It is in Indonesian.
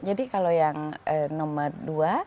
jadi kalau yang nomor dua